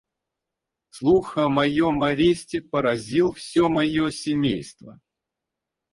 Слух о моем аресте поразил все мое семейство.